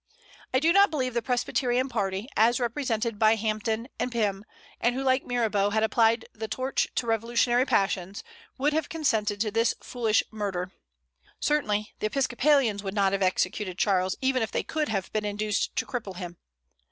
I do not believe the Presbyterian party, as represented by Hampden and Pym, and who like Mirabeau had applied the torch to revolutionary passions, would have consented to this foolish murder. Certainly the Episcopalians would not have executed Charles, even if they could have been induced to cripple him.